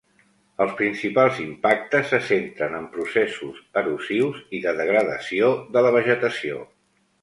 Els principals impactes se centren en processos erosius i de degradació de la vegetació.